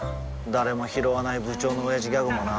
誰もひろわない部長のオヤジギャグもな